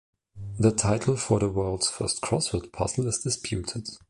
The title for the world's first crossword puzzle is disputed.